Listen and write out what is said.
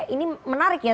ini menarik ya